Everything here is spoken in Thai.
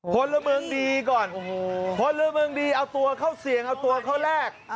พลเมืองดีก่อนพลเมืองดีเอาตัวเข้าเสี่ยงเอาตัวเข้าแรก